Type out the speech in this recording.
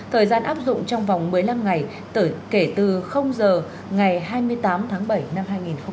thời gian áp dụng trong vòng một mươi năm ngày kể từ giờ ngày hai mươi tám tháng bảy năm hai nghìn hai mươi